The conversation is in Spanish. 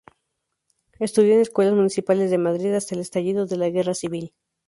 Estudió en escuelas municipales de Madrid hasta el estallido de la Guerra Civil.